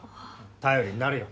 頼りになるよ。